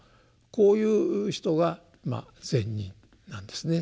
こういう人が「善人」なんですね。